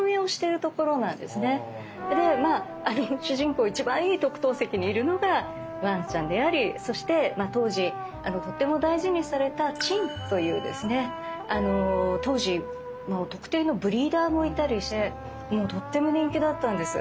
で主人公一番いい特等席にいるのがわんちゃんでありそして当時とっても大事にされた「狆」というですね当時特定のブリーダーもいたりしてもうとっても人気だったんです。